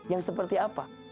yang seperti apa